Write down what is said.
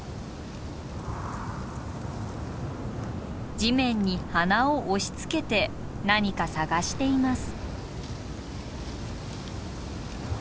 地面に鼻を押しつけて何か探しています。